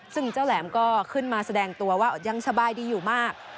ซึ่งเจ้าแหลมก็ขึ้นมาแสดงตัวว่ายังสบายดีอยู่มาก